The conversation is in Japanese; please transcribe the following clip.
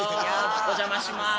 お邪魔します。